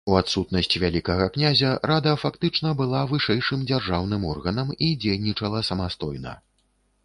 У адсутнасць вялікага князя рада фактычна была вышэйшым дзяржаўным органам і дзейнічала самастойна.